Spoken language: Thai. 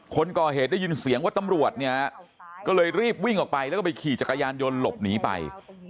คนก่อเหตุได้ยินเสียงว่าตำรวจเนี่ยก็เลยรีบวิ่งออกไปแล้วก็ไปขี่จักรยานยนต์หลบหนีไป